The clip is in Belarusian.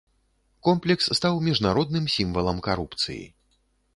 Комплекс стаў міжнародным сімвалам карупцыі.